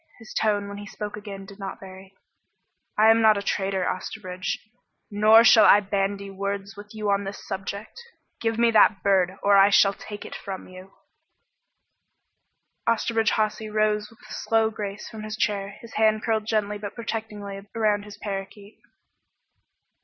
His tone, when he spoke again, did not vary. "I am not a trader, Osterbridge. Nor shall I bandy words with you on this subject. Give me that bird, or I shall take it from you!" Osterbridge Hawsey rose with a slow grace from his chair, his hand curled gently but protectingly around his parakeet.